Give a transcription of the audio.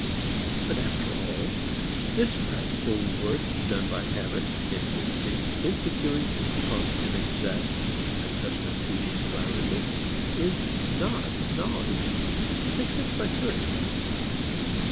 But after all, this practical work done by habit and instinct in securing prompt and exact adjustment to the environment is not knowledge, except by courtesy.